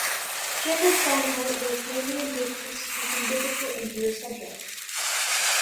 Jacob Steinhardt worked mainly in woodcuts depicting biblical and Jewish subjects.